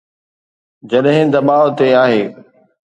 جڏهن دٻاء تي آهي.